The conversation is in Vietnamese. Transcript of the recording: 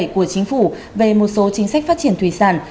của chính phủ về một số chính sách phát triển thủy sản